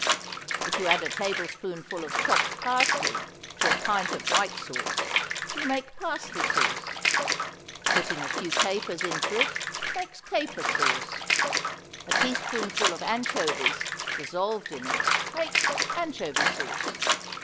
If you add a tablespoonful of chopped parsley to a pint of white sauce, you make parsley sauce. Putting a few capers into it, makes caper sauce. A teaspoonful of anchovies dissolved in it makes anchovy sauce.